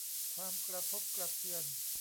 ความกระทบกระเทือน